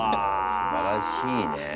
すばらしいね。